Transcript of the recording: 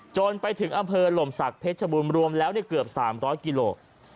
จนไปถึงอำเภอหล่มศักดิ์เพชรบูรณ์รวมแล้วเกือบ๓๐๐กิโล